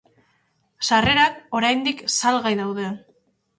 Sarrerak oraindik salgai daude.